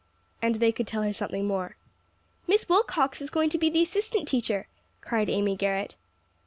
And they could tell her something more. "Miss Wilcox is going to be the assistant teacher," cried Amy Garrett.